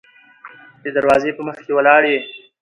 د دروازې په مخکې ولاړ يې.